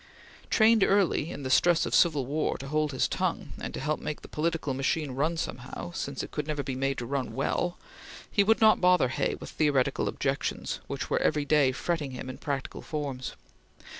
Trained early, in the stress of civil war, to hold his tongue, and to help make the political machine run somehow, since it could never be made to run well, he would not bother Hay with theoretical objections which were every day fretting him in practical forms.